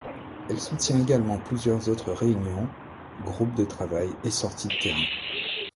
Elle soutient également plusieurs autres réunions, groupes de travail et sorties de terrain.